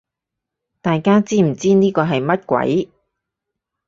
大家知唔知呢個係乜鬼